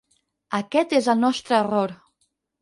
Aquest és el nostre error.